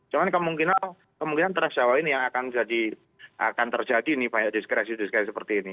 cuma kemungkinan kemungkinan transjawa ini yang akan terjadi ini banyak diskresi diskresi seperti ini